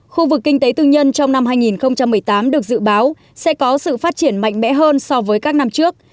khu vực kinh tế tư nhân trong năm hai nghìn một mươi tám được dự báo sẽ có sự phát triển mạnh mẽ hơn so với các năm trước